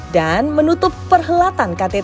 dan menutup perhelatan ktt asean